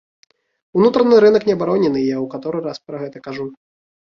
Унутраны рынак не абаронены, я ў каторы раз пра гэта кажу.